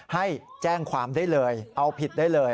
ให้แจ้งความได้เลยเอาผิดได้เลย